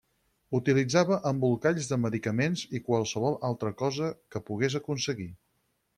Utilitzava embolcalls de medicaments i qualsevol altra cosa que pogués aconseguir.